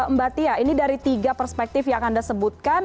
mbak tia ini dari tiga perspektif yang anda sebutkan